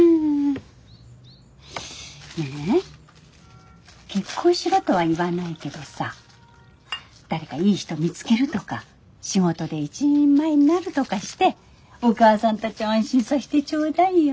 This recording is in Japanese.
ねぇ結婚しろとは言わないけどさ誰かいい人見つけるとか仕事で一人前になるとかしてお母さんたちを安心させてちょうだいよ。